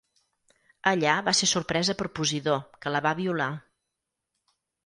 Allà va ser sorpresa per Posidó, que la va violar.